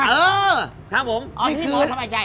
เออครับผมเอาที่สบายใจ